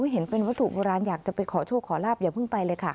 เห็นเป็นวัตถุโบราณอยากจะไปขอโชคขอลาบอย่าเพิ่งไปเลยค่ะ